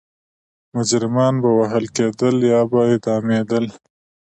مجرمان به وهل کېدل یا به اعدامېدل.